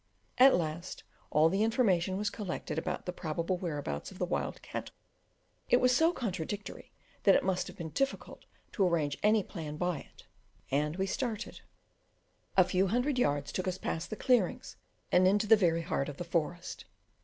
At last all the information was collected about the probable whereabouts of the wild cattle it was so contradictory, that it must have been difficult to arrange any plan by it, and we started. A few hundred yards took us past the clearings and into the very heart of the forest.